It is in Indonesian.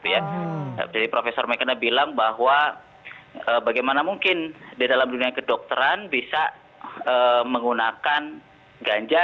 jadi prof mckenna bilang bahwa bagaimana mungkin di dalam dunia kedokteran bisa menggunakan ganja